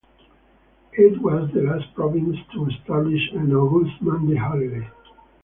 It was the last province to establish an August Monday holiday.